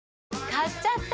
買っちゃった！